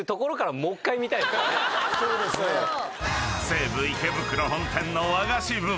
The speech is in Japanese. ［西武池袋本店の和菓子部門